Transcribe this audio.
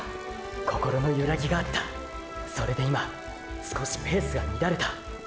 心のゆらぎがあったそれで今少しペースが乱れた。